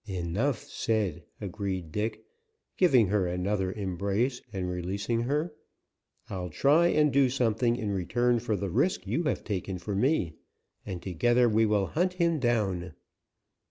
"Enough said," agreed Dick, giving her another embrace and releasing her. "I'll try and do something in return for the risk you have taken for me, and together we will hunt him down."